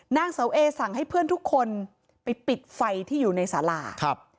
นางเสาเอสั่งให้เพื่อนทุกคนไปปิดไฟที่อยู่ในสาราครับ